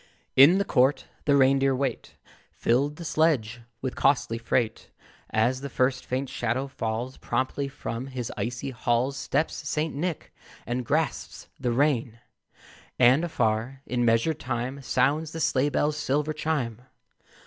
In the court the reindeer wait; Filled the sledge with costly freight. As the first faint shadow falls, Promptly from his icy halls Steps St. Nick, and grasps the rein: And afar, in measured time, Sounds the sleigh bells' silver chime.